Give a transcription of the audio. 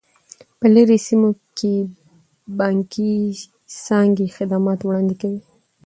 په لیرې سیمو کې بانکي څانګې خدمات وړاندې کوي.